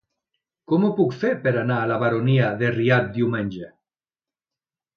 Com ho puc fer per anar a la Baronia de Rialb diumenge?